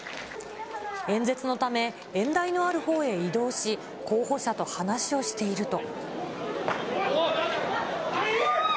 演説のため、演台のあるほうへ移動し、候補者と話をしていると。